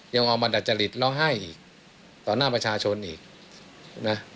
ยังเอามาดัจจริตแล้วให้อีกต่อหน้าประชาชนอีกนะ